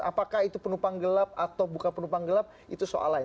apakah itu penumpang gelap atau bukan penumpang gelap itu soal lain